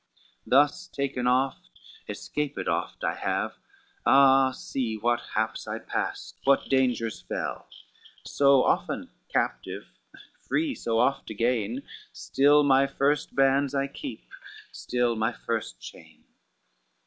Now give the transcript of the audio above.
Thus taken oft, escaped oft I have, Ah, see what haps I passed, what dangers fell, So often captive, free so oft again, Still my first bands I keep, still my first chain.